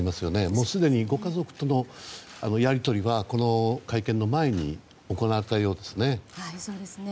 もう既にご家族とのやり取りはこの会見の前に行われたようですね。